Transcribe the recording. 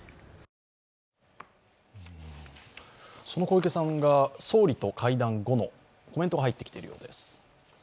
その小池さんが総理と会談後のコメントが入ってきています。